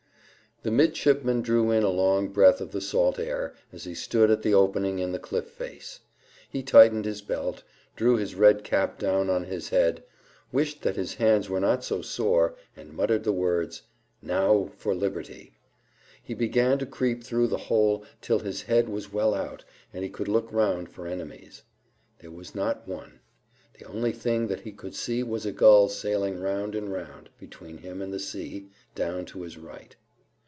The midshipman drew in a long breath of the salt air, as he stood at the opening in the cliff face. He tightened his belt, drew his red cap down on his head, wished that his hands were not so sore, and muttered the words, "Now for liberty!" He began to creep through the hole till his head was well out, and he could look round for enemies. There was not one. The only thing that he could see was a gull sailing round and round between him and the sea, down to his right.